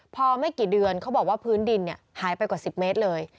พอไม่กี่เดือนเขาบอกว่าพื้นดินหายไปกว่า๑๐เมตรเลย